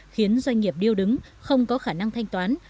khiến doanh nghiệp điêu đứng không có khả năng thanh toán